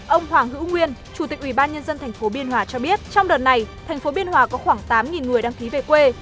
ông hoàng hữu nguyên chủ tịch ủy ban nhân dân tp biên hòa cho biết trong đợt này thành phố biên hòa có khoảng tám người đăng ký về quê